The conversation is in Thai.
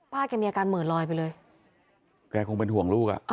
แกมีอาการเหมือนลอยไปเลยแกคงเป็นห่วงลูกอ่ะ